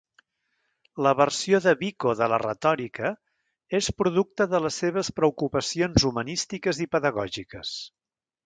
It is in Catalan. La versió de Vico de la retòrica és producte de les seves preocupacions humanístiques i pedagògiques.